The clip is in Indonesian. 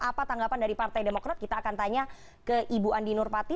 apa tanggapan dari partai demokrat kita akan tanya ke ibu andi nurpati